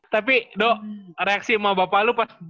tapi do reaksi sama bapak lu pas